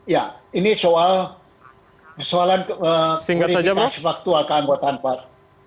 ya ini soal soalan politik persyaratan keanggotaan part